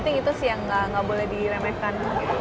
i think itu sih yang nggak boleh dilemehkan